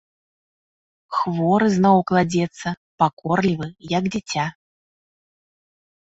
Хворы зноў кладзецца, пакорлівы, як дзіця.